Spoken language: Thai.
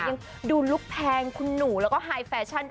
อย่างดูลุกแพงคุนนู่เราก็ไฮแฟชั่น